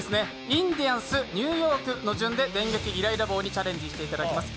インディアンス、ニューヨークの順で電撃イライラ棒にチャレンジしていただきます。